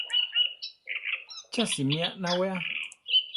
¿Cha simí anawea!